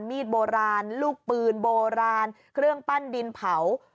มีดโบราณลูกปืนโบราณเครื่องปั้นดินเผา